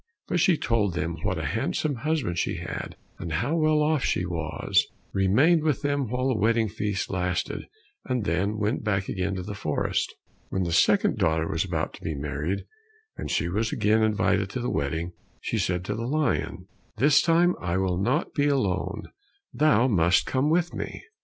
But she told them what a handsome husband she had, and how well off she was, remained with them while the wedding feast lasted, and then went back again to the forest. When the second daughter was about to be married, and she was again invited to the wedding, she said to the lion, "This time I will not be alone, thou must come with me."